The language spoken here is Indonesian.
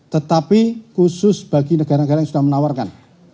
tetapi khusus bagi negara negara yang sudah menawarkan